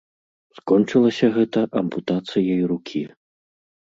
Скончылася гэта ампутацыяй рукі.